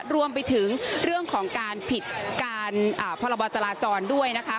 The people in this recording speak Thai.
รวมไปถึงเรื่องของการผิดการพรบจราจรด้วยนะคะ